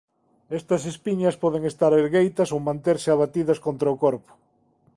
Estas espiñas poden estar ergueitas ou manterse abatidas contra o corpo.